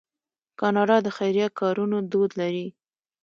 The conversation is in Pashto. کاناډا د خیریه کارونو دود لري.